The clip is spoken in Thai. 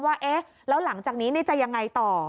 ว่าเอ๊ะแล้วหลังจากนี้จะยังไงต่อ